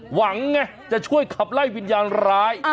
หวังไงจะช่วยขับไล่วิญญาณร้าย